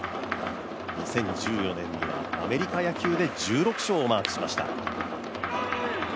２０１４年には、アメリカ野球で１６勝をマークしました。